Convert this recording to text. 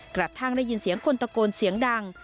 กระทั่งได้ยินเสียงคนตะโกนเสียงดัง